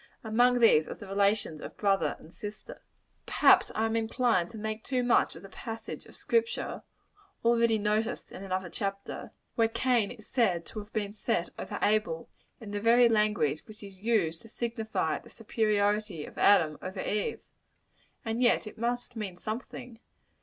Among these, are the relations of brother and sister. Perhaps I am inclined to make too much of the passage of Scripture already noticed in another chapter where Cain is said to have been set over Abel, in the very language which is used to signify the superiority of Adam over Eve. And yet it must mean something.